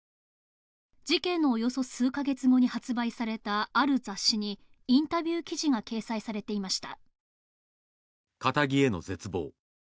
事件のおよそ数か月後に発売されたある雑誌にインタビュー記事が掲載されていました。